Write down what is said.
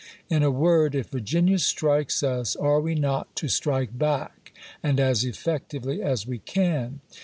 In a word, if Virginia strikes us, are we not to strike back, and as effectively as we can